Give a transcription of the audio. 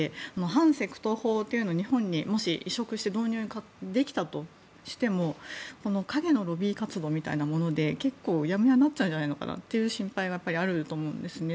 反セクト法というのを日本にもし導入できたとしても陰のロビー活動みたいなもので結構うやむやになっちゃうんじゃないのかなという心配はあると思うんですね。